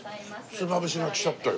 ひつまぶしが来ちゃったよ。